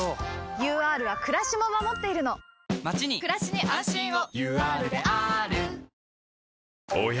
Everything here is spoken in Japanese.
ＵＲはくらしも守っているのまちにくらしに安心をＵＲであーるおや？